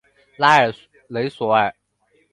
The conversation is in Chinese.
拉尔雷索尔。